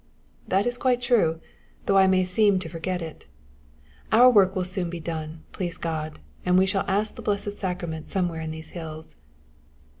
"That is quite true, though I may seem to forget it. Our work will be done soon, please God, and we shall ask the blessed sacrament somewhere in these hills."